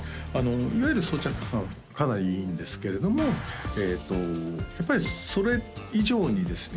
いわゆる装着感かなりいいんですけれどもえっとやっぱりそれ以上にですね